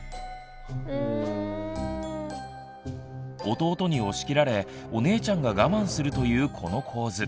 弟に押し切られお姉ちゃんが我慢するというこの構図。